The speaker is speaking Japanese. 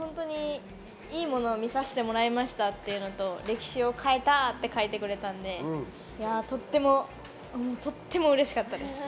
いいものを見させてもらいましたっていうのと、歴史を変えたって書いてくれたんでとってもうれしかったです。